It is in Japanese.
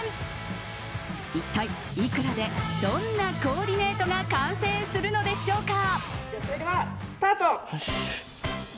一体いくらでどんなコーディネートが完成するのでしょうか？